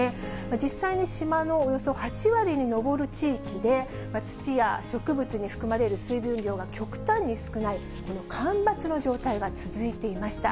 実際に島のおよそ８割に上る地域で、土や植物に含まれる水分量が極端に少ない、干ばつの状態が続いていました。